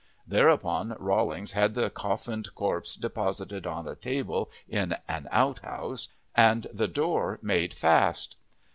Thereupon Rawlings had the coffined corpse deposited on a table in an outhouse and the door made fast.